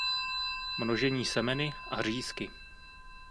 Množení semeny a řízky.